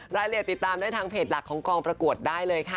ติดตามได้ทางเพจหลักของกองประกวดได้เลยค่ะ